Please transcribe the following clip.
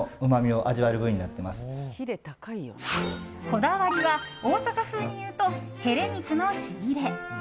こだわりは、大阪風に言うとヘレ肉の仕入れ。